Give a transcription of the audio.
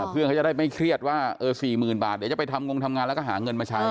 เพื่อนเขาจะได้ไม่เครียดว่า๔๐๐๐บาทเดี๋ยวจะไปทำงงทำงานแล้วก็หาเงินมาใช้